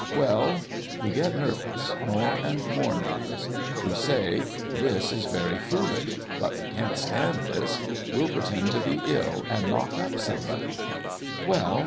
Well ! we get nervous — more and more nervous. We say ' This is very foolish, but we can't stand this ; we'll pretend to be ill, and knock up somebody.' Well